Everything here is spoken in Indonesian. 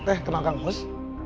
teh kenal kangus